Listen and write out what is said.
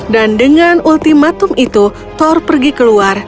dan dengan ultimatum itu thor pergi keluar